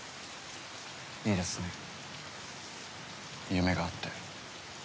いいですね夢があって。